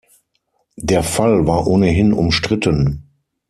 Der Fall war ohnehin umstritten.